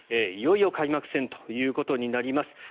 いよいよ開幕戦ということになります。